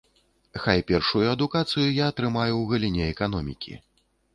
Хай першую адукацыю я атрымаю ў галіне эканомікі.